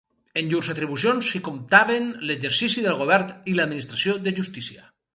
En llurs atribucions s'hi comptaven l'exercici del govern i l'administració de justícia.